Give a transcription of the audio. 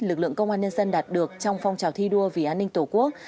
lực lượng công an nhân dân đạt được trong phong trào thi đua vì an ninh tổ quốc